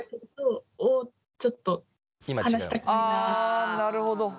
ああなるほど。